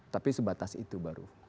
tapi sebatas itu baru